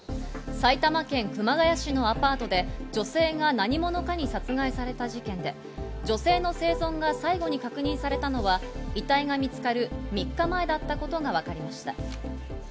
埼玉県熊谷市のアパートで女性が何者かに殺害された事件で、女性の生存が最後に確認されたのは、遺体が見つかる３日前だったことがわかりました。